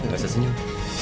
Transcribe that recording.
gak usah senyum